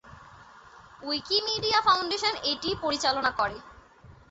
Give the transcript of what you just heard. Wikimedia foundation এটি পরিচালনা করে।